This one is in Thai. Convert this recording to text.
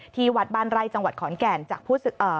ที่วัดบ้านไร่จังหวัดขอนแก่นจากผู้เอ่อ